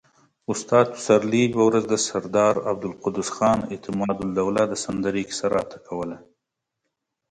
استاد پسرلي يوه ورځ د سردار عبدالقدوس خان اعتمادالدوله د سندرې کيسه راته کوله.